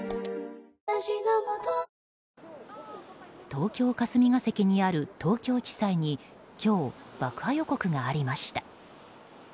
東京・霞が関にある東京地裁に今日、爆破予告がありました。